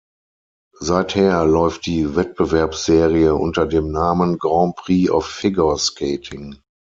Seither läuft die Wettbewerbsserie unter dem Namen "Grand Prix of Figure Skating".